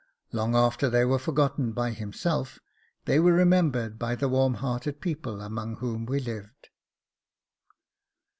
Long after they were forgotten by himself, they were remembered by the warm hearted people among whom he lived.